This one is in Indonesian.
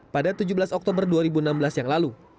pada tujuh belas oktober dua ribu enam belas yang lalu